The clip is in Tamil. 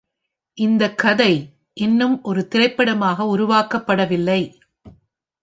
இந்த கதை இன்னும் ஒரு திரைப்படமாக உருவாக்கப்படவில்லை.